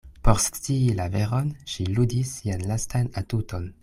Por scii la veron, ŝi ludis sian lastan atuton.